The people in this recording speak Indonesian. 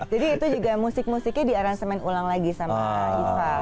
jadi itu juga musik musiknya di aransemen ulang lagi sama iva